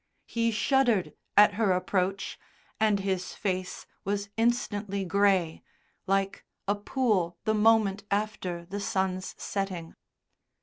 He shuddered at her approach, and his face was instantly grey, like a pool the moment after the sun's setting.